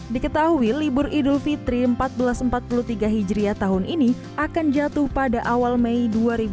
diketahui libur idul fitri seribu empat ratus empat puluh tiga hijriah tahun ini akan jatuh pada awal mei dua ribu dua puluh